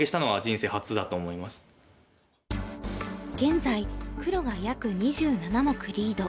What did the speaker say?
現在黒が約２７目リード。